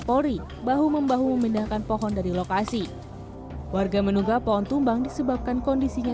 polri bahu membahu memindahkan pohon dari lokasi warga menunggah pohon tumbang disebabkan kondisinya